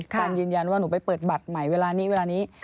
การยืนยันว่าหนูไปเปิดบัตรใหม่เวลานี้เวลานี้